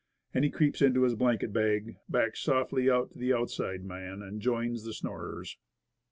And he creeps into his blanket bag, backs softly up to the outside man, and joins the snorers.